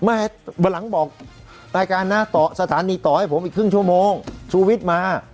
ไม่บำลังบอกรายการหน้าต่อสถานีต่อให้ผมอีกครึ่งชั่วโมงชุวิตมา